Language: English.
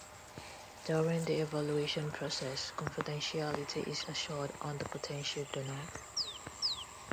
During the evaluation process, confidentiality is assured on the potential donor.